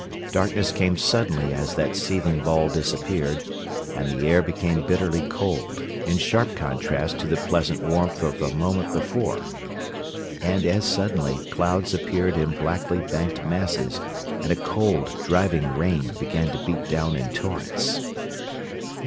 Darkness came suddenly as that seething ball disappeared, and the air became bitterly cold, in sharp contrast to the pleasant warmth of a moment before. And as suddenly clouds appeared in blackly banked masses and a cold, driving rain began to beat down in torrents.